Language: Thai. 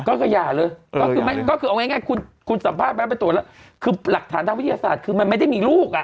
ก็คืออย่าเลยก็คือเอาง่ายคุณคุณสัมภาษณ์ไปแล้วไปตรวจแล้วคือหลักฐานทางวิทยาศาสตร์คือมันไม่ได้มีลูกอ่ะ